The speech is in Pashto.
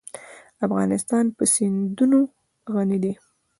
افغانستان په سیندونه غني دی.